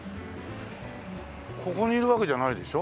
ここにいるわけじゃないでしょ？